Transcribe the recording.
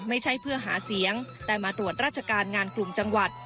ไม่ใช่เพื่อหาเสียงแต่มาตรวจราชการงานกลุ่มจังหวัด